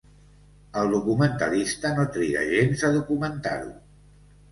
El documentalista no triga gens a documentar-ho.